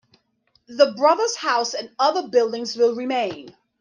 The brothers' house and other buildings will remain.